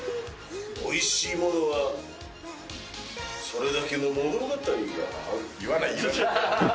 おいしいものには、それだけの物語がある。